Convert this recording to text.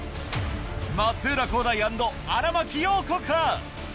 松浦航大＆荒牧陽子か？